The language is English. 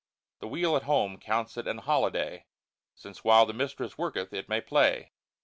The wheel at home counts it an holiday, Since while the mistress worketh it may play.